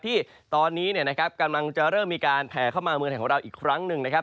ที่ตอนนี้เนี่ยนะครับกำลังจะเริ่มมีการแผ่เข้ามาเมืองไทยของเราอีกครั้งหนึ่งนะครับ